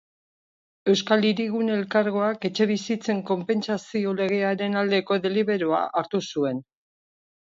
Euskal Hirigune Elkargoak etxebizitzen konpentsazio legearen aldeko deliberoa hartu zuen.